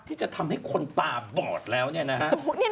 ที่จะทำให้คนตาบอดแล้วเนี่ยนะฮะ